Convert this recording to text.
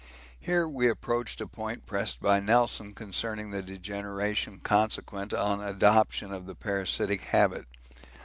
Here we approached a point pressed by Nelson concerning the degeneration consequent on adoption of the parasitic habit.